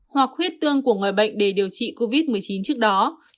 hoặc khuyết tương của người bệnh để điều trị covid một mươi chín trước đó